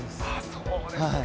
そうですか。